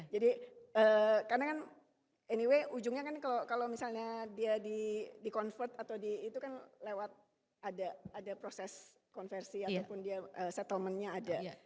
jadi karena kan anyway ujungnya kan kalau misalnya dia di convert atau di itu kan lewat ada proses konversi ataupun dia settlementnya ada